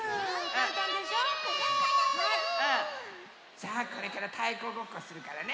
さあこれからたいこごっこするからね。